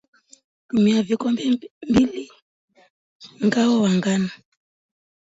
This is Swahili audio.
Tumia vikombe mbili nga wa ngano